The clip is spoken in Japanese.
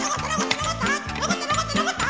のこったのこったのこった！